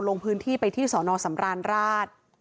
ลงพื้นที่ไปที่สอนอสำราญราช